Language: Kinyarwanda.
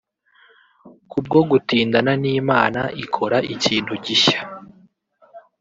Kubwo gutindana n’Imana ikora ikintu gishya